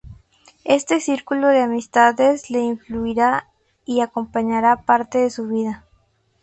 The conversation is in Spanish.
Este círculo de amistades le influirá y acompañará parte de su vida.